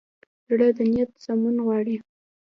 زړه د نیت سمون غواړي.